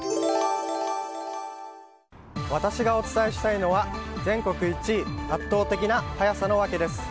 私がお伝えしたいのは全国１位圧倒的な速さの訳です。